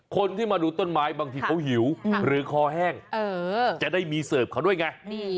คนที่มาดูต้นไม้บางทีเขาหิวหรือคอแห้งจะได้มีเสิร์ฟเขาด้วยไง